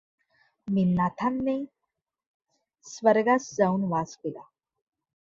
मीननाथानें स्वर्गास जाऊन वास केला.